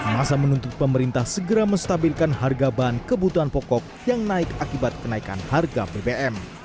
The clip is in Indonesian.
masa menuntut pemerintah segera menstabilkan harga bahan kebutuhan pokok yang naik akibat kenaikan harga bbm